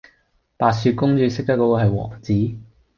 白雪公主識得果個系王子